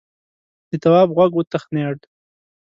د تواب غوږ وتخڼيد: